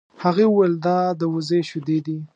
هغې وویل دا د وزې شیدې دي.